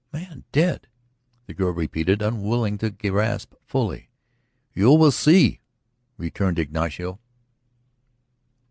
"A man dead?" the girl repeated, unwilling to grasp fully. "You will see," returned Ignacio.